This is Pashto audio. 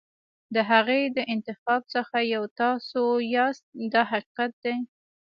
د هغې د انتخاب څخه یو تاسو یاست دا حقیقت دی.